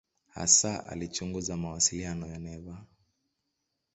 Hasa alichunguza mawasiliano ya neva.